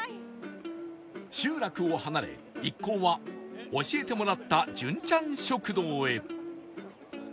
集落を離れ一行は教えてもらったジュンチャン食堂へ